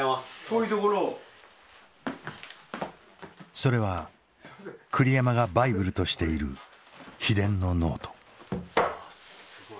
それは栗山がバイブルとしている秘伝のノート。